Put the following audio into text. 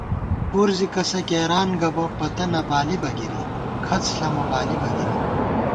پُر زی کسہ کېران گہ بہ ، پتہ نہ بالِبہ گِری، کھڅ ݪَمہ بالِبہ گِری